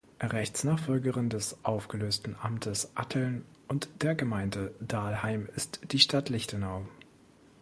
Rechtsnachfolgerin des aufgelösten Amtes Atteln und der Gemeinde Dalheim ist die Stadt Lichtenau.